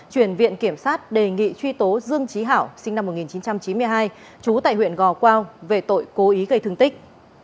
chuyển viện kiểm sát đề nghị truy tố dương trí hảo sinh năm một nghìn chín trăm chín mươi hai trú tại huyện gò quao về tội cố ý gây thương tích